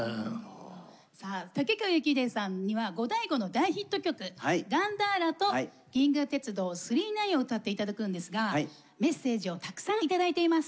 さあタケカワユキヒデさんにはゴダイゴの大ヒット曲「ガンダーラ」と「銀河鉄道９９９」を歌って頂くんですがメッセージをたくさん頂いています。